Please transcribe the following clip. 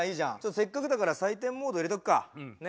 せっかくだから採点モード入れとくかね。